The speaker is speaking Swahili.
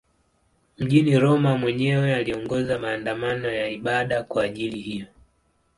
Mjini Roma mwenyewe aliongoza maandamano ya ibada kwa ajili hiyo.